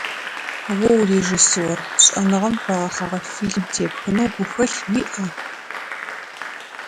О урежиссер, шӏэныгъэм фэгъэхьыгъэ фильмэ тепхынэу гухэлъ уиӏа?